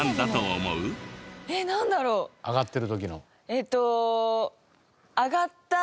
えっと。